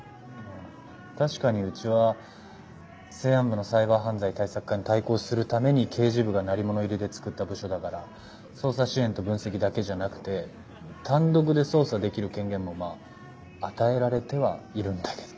確かにうちは生安部のサイバー犯罪対策課に対抗するために刑事部が鳴り物入りで作った部署だから捜査支援と分析だけじゃなくて単独で捜査できる権限もまあ与えられてはいるんだけど。